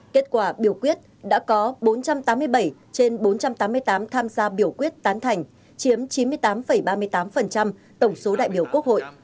kết quả biểu quyết đã có bốn trăm tám mươi bảy trên bốn trăm tám mươi tám tham gia biểu quyết tán thành chiếm chín mươi tám ba mươi tám tổng số đại biểu quốc hội